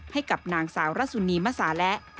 ให้กับนางสาวรัสสุนีมสาและ